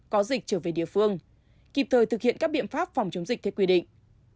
có dịch trở về địa phương kịp thời thực hiện các biện pháp phòng chống dịch theo quy định